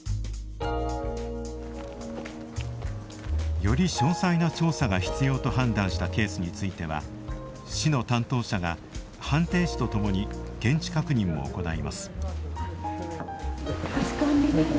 より詳細な調査が必要と判断したケースについては市の担当者が判定士とともに現地確認を行います。